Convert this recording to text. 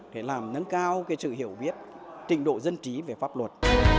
để làm nâng cao sự hiểu biết trình độ dân trí về pháp luật